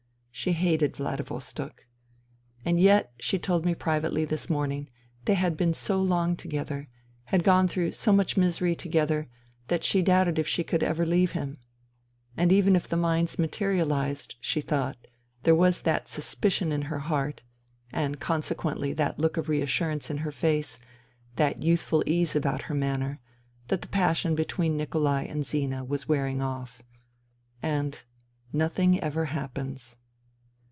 She hated Vladi vostok. And yet, she told me privately this morning, they had been so long together, had gone through so much misery together, that she doubted if she could ever leave him. And even if the mines materialized, she thought — there was that suspicion in her heart and consequently that look of reassurance in her face, that youthful ease about her manner — that the passion between Nikolai and Zina was wearing off. And — nothing ever happens.